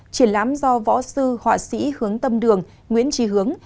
triển lãm do võ sư họa sĩ hướng tâm đường nguyễn trí hướng